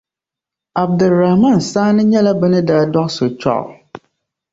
Abdul Rahaman Saani nyɛla bɛ ni daa dɔɣi so Choggu